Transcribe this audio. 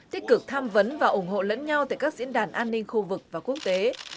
tích cực tham vấn và ủng hộ lẫn nhau tại các diễn đàn an ninh khu vực và quốc tế